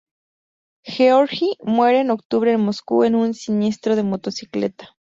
Gueorgui muere en octubre en Moscú en un siniestro de motocicleta.